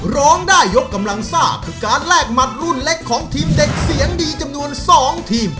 ร้องได้ยกกำลังซ่าคือการแลกหมัดรุ่นเล็กของทีมเด็กเสียงดีจำนวน๒ทีม